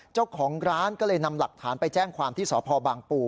เจ้าของร้านก็เลยนำหลักฐานไปแจ้งความที่สพบางปู